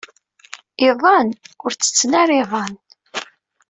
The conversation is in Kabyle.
Iḍan ur ttetten ara iḍan.